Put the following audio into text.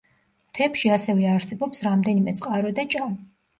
მთებში ასევე არსებობს რამდენიმე წყარო და ჭა.